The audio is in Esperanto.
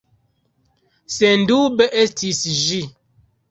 Sendube estis ĝi.